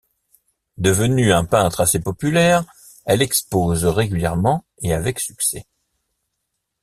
Devenue un peintre assez populaire, elle expose régulièrement et avec succès.